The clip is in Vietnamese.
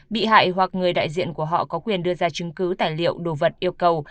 bị hại hoặc người đại diện của họ có quyền đưa ra chứng cứ tài liệu đồ vật yêu cầu